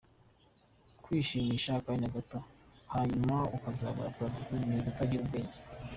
Kwishimisha akanya gato hanyuma ukazabura paradizo, ni ukutagira ubwenge.